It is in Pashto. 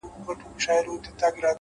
چلند د فکر عکس دی؛